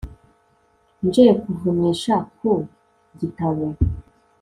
nje kuvunyisha ku gitabo